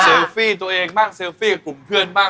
ฟี่ตัวเองบ้างเซลฟี่กับกลุ่มเพื่อนบ้าง